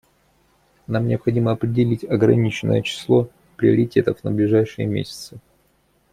Нам необходимо определить ограниченное число приоритетов на ближайшие месяцы.